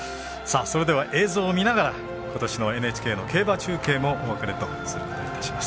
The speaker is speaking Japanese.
それでは映像を見ながらことしのＮＨＫの競馬中継もお別れとすることにいたします。